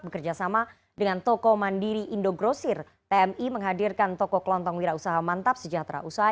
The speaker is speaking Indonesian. bekerjasama dengan toko mandiri indogrosir tmi menghadirkan toko kelontong wira usaha mantap sejahtera usaha